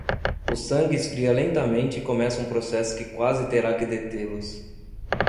O sangue esfria lentamente e começa um processo que quase terá que detê-los.